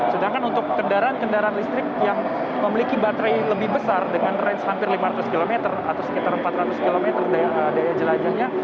sedangkan untuk kendaraan kendaraan listrik yang memiliki baterai lebih besar dengan range hampir lima ratus km atau sekitar empat ratus km daya jelajahnya